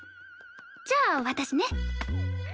じゃあ私ね。